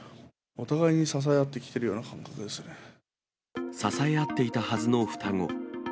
お互いに支え合ってきているよう支え合っていたはずの双子。